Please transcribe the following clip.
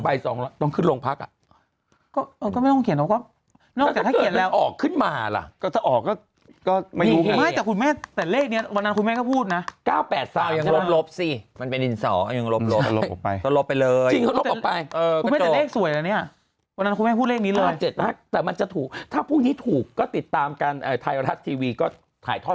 ๒ใบ๒ต้องขึ้นโรงพักก็ไม่ต้องเขียนแล้วก็ไม่ต้องแต่ถ้าเขียนแล้วออกขึ้นมาล่ะก็จะออกก็ก็ไม่รู้ไม่แต่คุณแม่แต่เลขเนี้ยวันนั้นคุณแม่ก็พูดนะ๙๘๓ยังลบลบสิมันเป็นดินสอยังลบลบลบไปลบไปเลยลบออกไปเออคุณแม่แต่เลขสวยแล้วเนี้ยวันนั้นคุณแม่พูดเลขนี้เลยแต่มันจะถูกถ้าพวกนี้ถูกก็ติดตามกันไทย